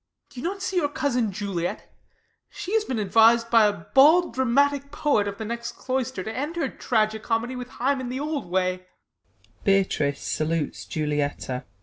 Do you not see your cousin Juliet ? She has been advis'd by a bald dramatic poet Of the next cloister, to end her tragi comedy With Hymen the old way.